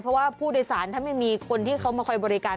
เพราะว่าผู้โดยสารถ้าไม่มีคนที่เขามาคอยบริการ